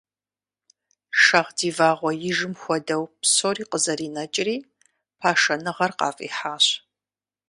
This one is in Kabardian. Шагъдий вагъуэижым хуэдэу псори къызэринэкӀри, пашэныгъэр къафӀихьащ.